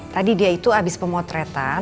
tadi dia itu habis pemotretan